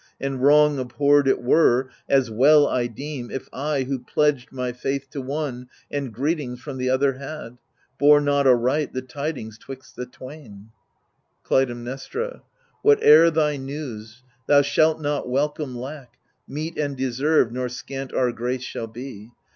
and wrong abhorred it were, As well I deem, if I, who pledged my faith ^ To one, and greetings from the other had, \ Bore not aright tKe"trding'S 'twixt the twain. Clytemnestra Whate'er thy news, thou shalt not welcome lack, Meet and deserved, nor scant our grace shall be.